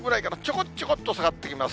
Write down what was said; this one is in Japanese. こっちょこっと下がってきます。